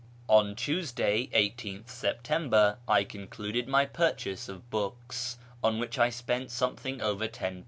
On Tuesday, 18th September, I concluded my purchase of books, on w^hich I spent something over £10.